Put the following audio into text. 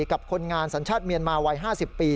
กับคนงานสัญชาติเมียนมาวัย๕๐ปี